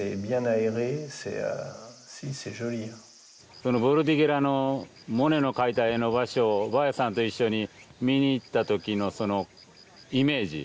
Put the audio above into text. そのボルディゲラのモネの描いた絵の場所をヴァエさんと一緒に見に行った時のそのイメージ